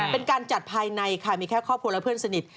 เป็นการจัดภายในค่ะมีแค่ครอบครัวและเพื่อนสนิท